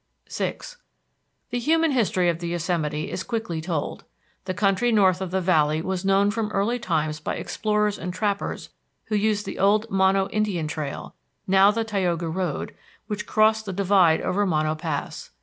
VI The human history of the Yosemite is quickly told. The country north of the Valley was known from early times by explorers and trappers who used the old Mono Indian Trail, now the Tioga Road, which crossed the divide over Mono Pass.